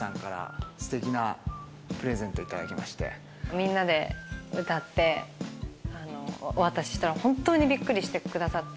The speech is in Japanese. みんなで歌って渡したら、本当にびっくりしてくださって。